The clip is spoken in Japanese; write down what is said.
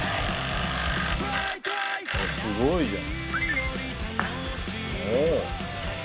すごいじゃん。